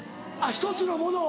１つのものを？